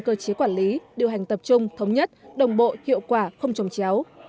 cơ chế quản lý điều hành tập trung thống nhất đồng bộ hiệu quả không trồng chéo